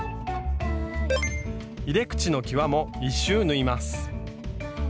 入れ口の際も１周縫います。